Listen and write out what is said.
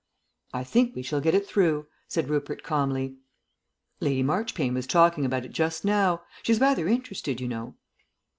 "I think we shall get it through," said Rupert calmly. "Lady Marchpane was talking about it just now. She's rather interested, you know."